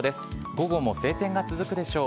午後も晴天が続くでしょう。